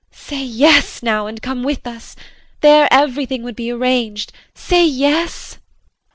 Say yes, now and come with us there everything would be arranged say yes!